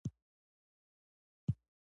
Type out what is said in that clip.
دوی د ملي تحول له ارمانونو سره نابلده وو.